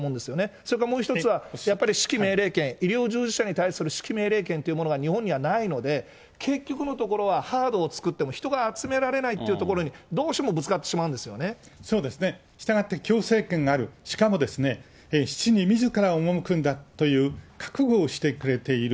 それからもう一つは、やっぱり指揮命令権、医療従事者に対する指揮命令権というものが日本にはないので、結局のところは、ハードを作っても人が集められないというところにどうしてもぶつそうですね、したがって強制権がある、しかも基地にみずから赴くんだという覚悟をしてくれている。